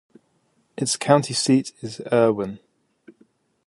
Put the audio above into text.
Its county seat is Erwin.